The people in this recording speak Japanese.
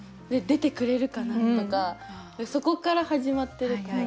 出てくれるかな？とかそこから始まってるから。